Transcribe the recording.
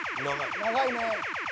「長いね」